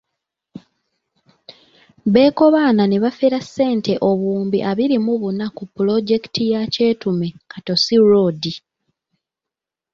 Bekobaana ne bafera ssente obuwumbi abiri mu buna ku pulojekiti ya Kyetume–Katosi road.